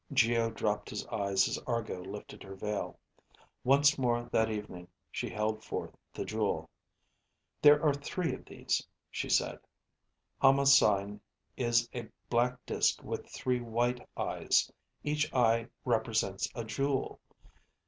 Geo dropped his eyes as Argo lifted her veil. Once more that evening she held forth the jewel. "There are three of these," she said. "Hama's sign is a black disk with three white eyes. Each eye represents a jewel.